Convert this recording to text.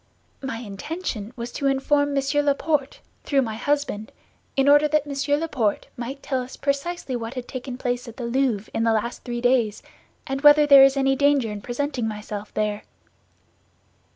"My intention was to inform Monsieur Laporte, through my husband, in order that Monsieur Laporte might tell us precisely what had taken place at the Louvre in the last three days, and whether there is any danger in presenting myself there."